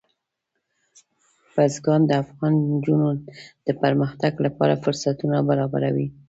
بزګان د افغان نجونو د پرمختګ لپاره فرصتونه برابروي.